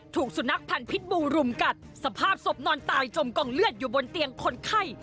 ถูกสุนัขพันธ์พิษบูรุมกัดสภาพศพนอนตายจมกองเลือดอยู่บนเตียงคนไข้